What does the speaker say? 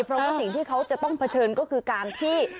เพราะว่าสิ่งที่เขาจะต้องเผชิญก็คือการที่